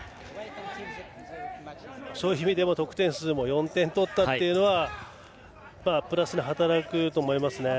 そういう意味でも得点数を４点取ったのはプラスに働くと思いますね。